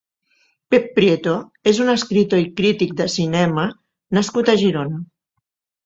Pep Prieto és un escriptor i crític de cinema nascut a Girona.